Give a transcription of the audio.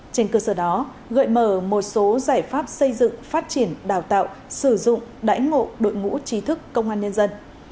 trên cơ sở đó gợi mở một số giải pháp xây dựng phát triển đào tạo sử dụng đải ngộ đội ngũ trí thức công an nhân dân